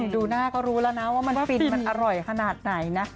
ดูหน้าก็รู้แล้วนะว่ามันฟินมันอร่อยขนาดไหนนะ